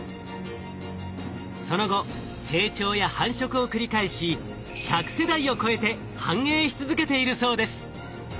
その後成長や繁殖を繰り返し１００世代を超えて繁栄し続けているそうです。